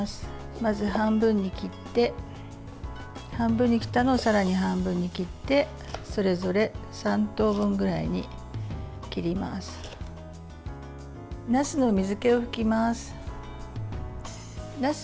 まず半分に切って半分に切ったのをさらに半分に切ってそれぞれ３等分ぐらいに切ります。